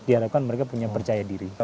diharapkan mereka punya percaya diri